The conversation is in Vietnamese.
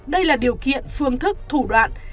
đây là điều kiện phương thức thủ đoạn